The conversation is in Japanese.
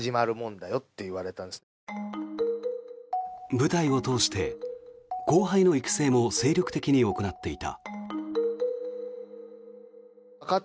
舞台を通して、後輩の育成も精力的に行っていた。